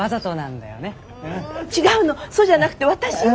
ん違うのそうじゃなくて私は。